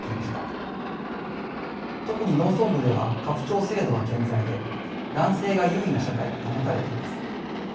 特に農村部では家父長制度が顕在で男性が優位な社会が保たれています。